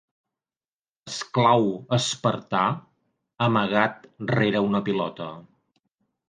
Esclau espartà amagat rere una pilota.